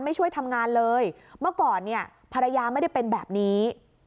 ไม่ช่วยทำงานเลยเมื่อก่อนเนี่ยภรรยาไม่ได้เป็นแบบนี้